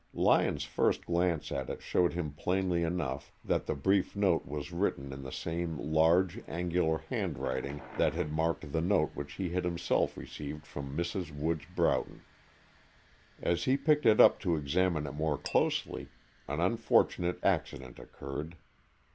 Lyon's first glance at it showed him plainly enough that the brief note was written in the same large, angular handwriting that had marked the note which he had himself received from Mrs. Woods Broughton. As he picked it up to examine it more closely, an unfortunate accident occurred.